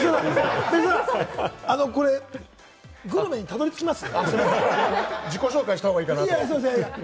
別所さん、これグルメにたどり着きます。